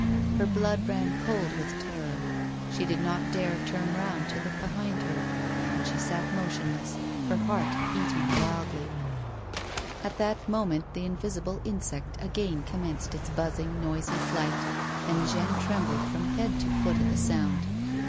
Her blood ran cold with terror ; she did not dare turn round to look behind her, and she sat motionless, her heart beating wildly. At that moment the invisible insect again commenced its buzzing, noisy flight, and Jeanne trembled from head to foot at the sound.